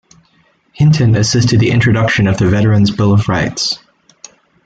Hinton assisted the introduction of the Veterans' Bill of Rights.